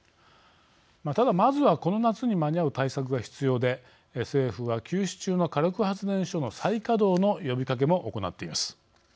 ただ、まずはこの夏に間に合う対策が必要で政府は休止中の火力発電所の再稼働の呼びかけも行っています。